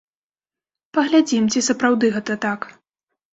Паглядзім, ці сапраўды гэта так.